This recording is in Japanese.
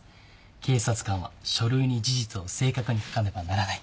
警察官は書類に事実を正確に書かねばならない。